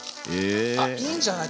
あっいいんじゃない？